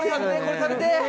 これ食べてぇ